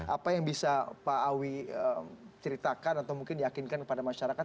apa yang bisa pak awi ceritakan atau mungkin diakinkan kepada masyarakat